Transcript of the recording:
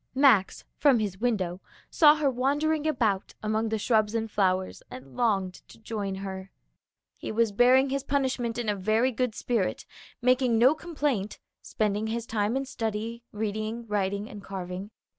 Max, from his window, saw her wandering about among the shrubs and flowers and longed to join her. He was bearing his punishment in a very good spirit, making no complaint, spending his time in study, reading, writing and carving.